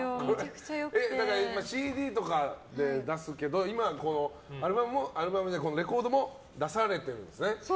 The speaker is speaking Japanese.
ＣＤとかで出すけど今はレコードも出されてるんですね。